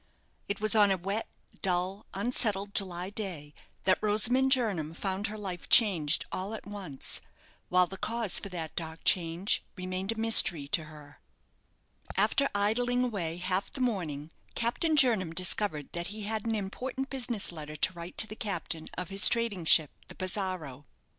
It was on a wet, dull, unsettled July day that Rosamond Jernam found her life changed all at once, while the cause for that dark change remained a mystery to her. After idling away half the morning, Captain Jernam discovered that he had an important business letter to write to the captain of his trading ship, the "Pizarro."